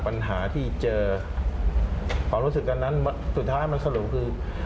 ปัญหาที่เจอความรู้สึกอันนั้นสุดท้ายมันสรุปคือ